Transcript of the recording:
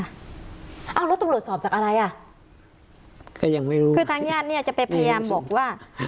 อ้าวแล้วตำรวจสอบจากอะไรอ่ะก็ยังไม่รู้คือทางญาติเนี้ยจะไปพยายามบอกว่า